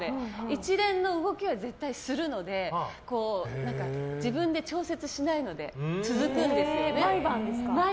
一連の動きは絶対するので自分で調節しないので毎晩ですか？